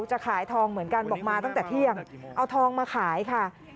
จะขายทองเหมือนกันบอกมาตั้งแต่เที่ยงเอาทองมาขายค่ะ